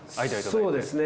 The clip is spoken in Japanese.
そうですね。